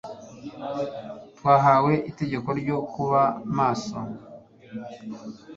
twahawe itegeko ryo kuba maso.